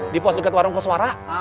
di pos dekat warung koswara